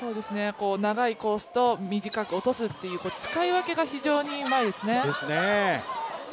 長いコースと短く落とすという使い分けが非常にうまいですね。